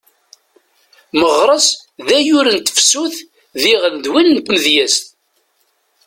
Meɣres d ayyur n tefsut diɣen d win n tmedyezt.